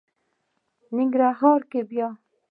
ننګرهار کې بیا...